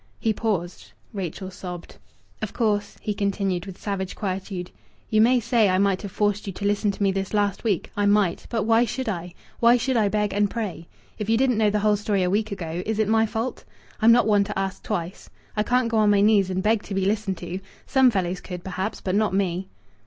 He paused. Rachel sobbed. "Of course," he continued, with savage quietude, "you may say I might have forced you to listen to me this last week. I might. But why should I? Why should I beg and pray? If you didn't know the whole story a week ago, is it my fault? I'm not one to ask twice. I can't go on my knees and beg to be listened to. Some fellows could perhaps, but not me!"